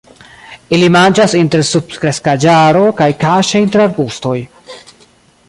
Ili manĝas inter subkreskaĵaro kaj kaŝe inter arbustoj.